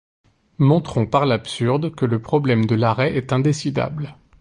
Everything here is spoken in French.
Montrons par l'absurde que le problème de l'arrêt est indécidable.